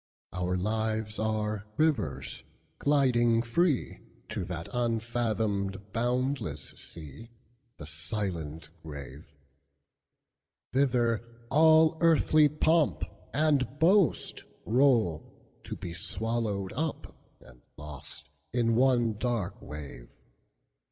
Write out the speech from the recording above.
Our lives are rivers, gliding freeTo that unfathomed, boundless sea, The silent grave! Thither all earthly pomp and boastRoll, to be swallowed up and lostIn one dark wave.